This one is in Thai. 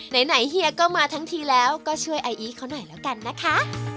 ไหนเฮียก็มาทั้งทีแล้วก็ช่วยไออีทเขาหน่อยแล้วกันนะคะ